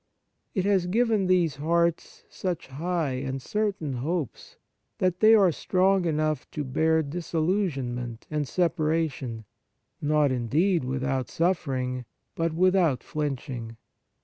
It has given these hearts such high and certain hopes that they are strong enough to bear disillusion ment and separation — not, indeed, without suffering, but without flinch ing.